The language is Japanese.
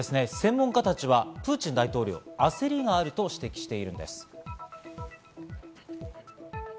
専門家たちはプーチン大統領、焦りがあると指摘しています。